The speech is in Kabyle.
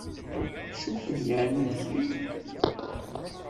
Tcukkem yeɛni deg-i?